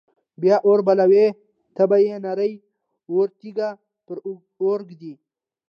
بیا اور بلوي او تبۍ یا نرۍ اواره تیږه پر اور ږدي.